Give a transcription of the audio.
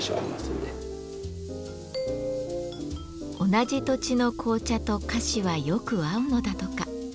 同じ土地の紅茶と菓子はよく合うのだとか。